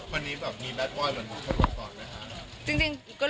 วันนี้แบบนี้แบดว่อยเหมือนทุกคนก่อน